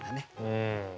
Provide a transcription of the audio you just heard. うん。